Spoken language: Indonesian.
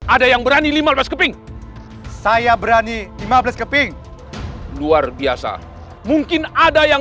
ada yang berani lima belas keping saya berani lima belas keping luar biasa mungkin ada yang